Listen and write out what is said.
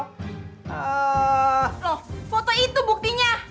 loh foto itu buktinya